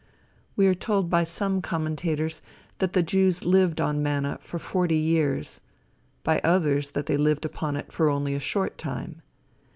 We are told by some commentators that the Jews lived on manna for forty years; by others that they lived upon it for only a short time.